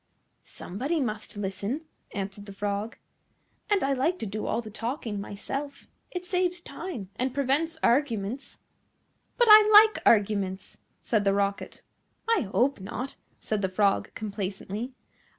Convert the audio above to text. "Somebody must listen," answered the Frog, "and I like to do all the talking myself. It saves time, and prevents arguments." "But I like arguments," said the Rocket. "I hope not," said the Frog complacently.